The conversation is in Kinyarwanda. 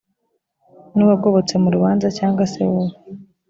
n uwagobotse mu rubanza cyangwa se wowe